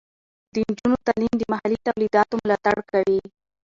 د نجونو تعلیم د محلي تولیداتو ملاتړ کوي.